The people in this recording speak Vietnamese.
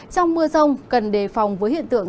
trong mưa rông cần đề phòng với hiện tượng